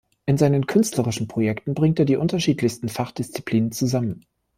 In seinen künstlerischen Projekten bringt er die unterschiedlichsten Fachdisziplinen zusammen.